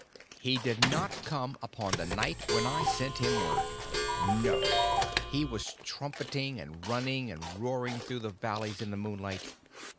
"He did not come upon the night when I sent him the word. No, he was trumpeting and running and roaring through the valleys in the moonlight.